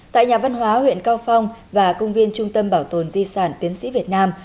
tại nhà văn hóa huyện cao phong và công viên trung tâm bảo tồn di sản tiến sĩ việt nam